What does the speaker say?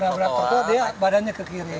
menabrak trotoar dia badannya ke kiri